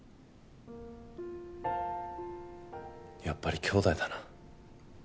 やっぱり姉弟だな。